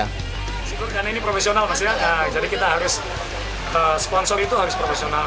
karena ini profesional jadi kita harus sponsor itu harus profesional